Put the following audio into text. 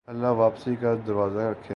اللہ ہی واپسی کا دروازہ رکھے